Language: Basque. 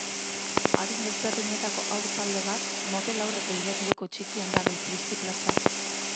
Adin ezberdinetako haur talde bat motel aurreko igerileku txikian dabil plisti-plasta.